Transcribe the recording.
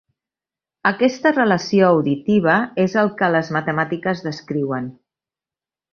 Aquesta relació auditiva és el que les matemàtiques descriuen.